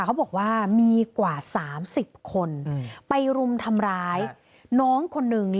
เขาบอกว่ามีกว่า๓๐คนไปรุมทำร้ายน้องคนนึง